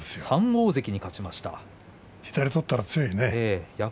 ３大関に勝ちました。